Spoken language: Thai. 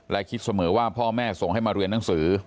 และคิดเสมอว่าพ่อแม่ส่งให้มาเรียนหนังสือ